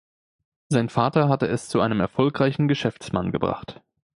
Sein Vater hatte es zu einem erfolgreichen Geschäftsmann gebracht.